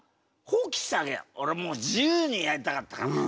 もう自由にやりたかったから。